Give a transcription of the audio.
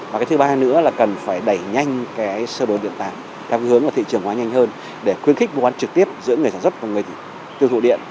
và cái thứ ba nữa là cần phải đẩy nhanh cái sơ đồ điện tạp theo hướng của thị trường hóa nhanh hơn để khuyến khích vụ quán trực tiếp giữa người sản xuất và người tiêu thụ điện